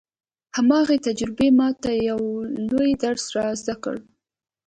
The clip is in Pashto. هماغې تجربې ما ته يو لوی درس را زده کړ.